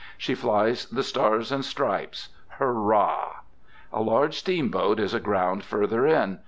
She flies the stars and stripes. Hurrah! A large steamboat is aground farther in.